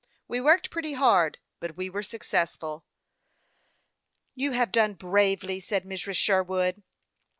We worked pretty hard, but we were successful." " You have done bravely," said Mrs. Sherwood.